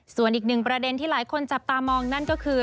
ส่วนอีกหนึ่งประเด็นที่หลายคนจับตามองนั่นก็คือ